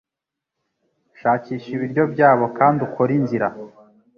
shakisha ibiryo byabo kandi ukore inzira